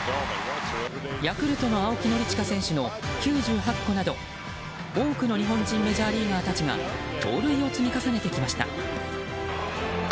ヤクルトの青木宣親選手の９８個など多くの日本人メジャーリーガーたちがいらっしゃいませ！